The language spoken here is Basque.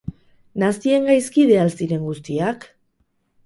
Nazien gaizkide al ziren guztiak?